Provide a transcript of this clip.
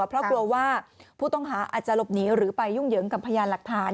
เพราะกลัวว่าผู้ต้องหาอาจจะหลบหนีหรือไปยุ่งเหยิงกับพยานหลักฐาน